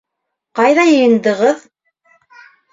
Ҡайҙа йыйындығыҙ?